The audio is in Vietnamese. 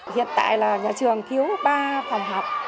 hiện tại là nhà trường cứu ba phòng học